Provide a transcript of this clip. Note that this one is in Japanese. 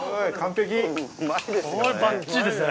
うまいですね。